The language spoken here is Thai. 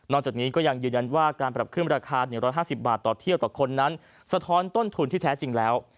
จากนี้ก็ยังยืนยันว่าการปรับขึ้นราคา๑๕๐บาทต่อเที่ยวต่อคนนั้นสะท้อนต้นทุนที่แท้จริงแล้ว